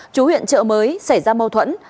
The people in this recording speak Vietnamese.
chú huyện chợ mới xảy ra mâu thuẫn